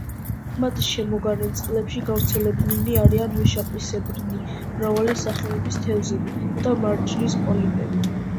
მათ შემოგარენ წყლებში გავრცელებული არიან ვეშაპისებრნი, მრავალი სახეობის თევზები და მარჯნის პოლიპები.